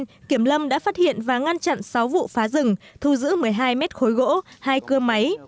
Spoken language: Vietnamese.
ở trên kiểm lâm đã phát hiện và ngăn chặn sáu vụ phá rừng thu giữ một mươi hai mét khối gỗ hai cơ máy